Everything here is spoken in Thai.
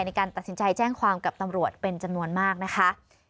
ในการตัดสินใจแจ้งความกับตำรวจเป็นจำนวนมากนะคะ